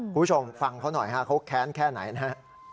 ผู้ชมฟังเขาหน่อยเขาแค้นแค่ไหนนะ